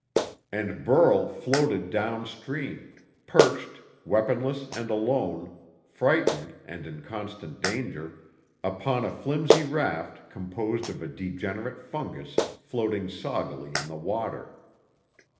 And Burl floated downstream, perched, weaponless and alone, frightened and in constant danger, upon a flimsy raft composed of a degenerate fungus floating soggily in the water.